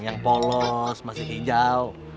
yang polos masih hijau